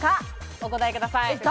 お答えください。